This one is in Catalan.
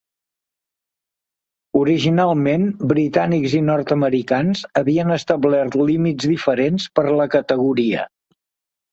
Originalment britànics i nord-americans havien establert límits diferents per a la categoria.